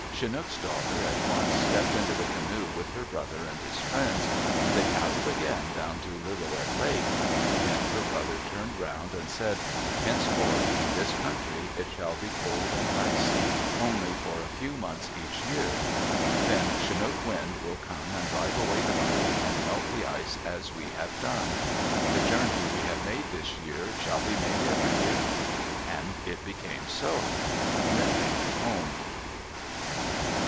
Chinook's daughter at once stepped into the canoe with her brother and his friends, and they paddled again down to Lillooet Lake. Then her brother turned around and said: "Henceforth, in this country, it shall be cold and icy only for a few months each year. Then Chinook Wind will come and drive away the cold and melt the ice as we have done. The journey we have made this year shall be made every year." And it became so. Then they went home.